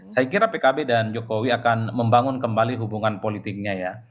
saya kira pkb dan jokowi akan membangun kembali hubungan politiknya ya